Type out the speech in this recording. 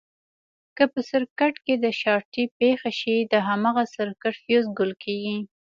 که په سرکټ کې شارټي پېښه شي د هماغه سرکټ فیوز ګل کېږي.